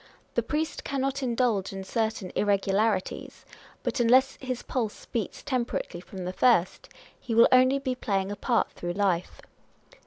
The priest cannot indulge in certain irregularities ; but unless his pulse beats temperately from the first, he will only be playing ja part through life.